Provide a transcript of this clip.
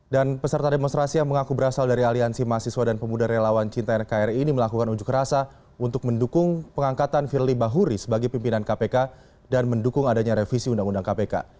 dan peserta demonstrasi yang mengaku berasal dari aliansi mahasiswa dan pemuda relawan cinta nkri ini melakukan ujuk rasa untuk mendukung pengangkatan firly bahuri sebagai pimpinan kpk dan mendukung adanya revisi undang undang kpk